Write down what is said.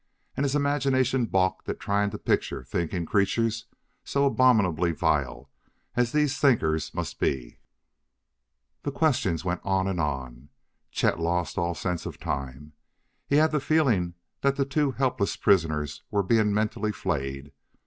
And his imagination balked at trying to picture thinking creatures so abominably vile as these thinkers must be. The questions went on and on. Chet lost all sense of time. He had the feeling that the two helpless prisoners were being mentally flayed.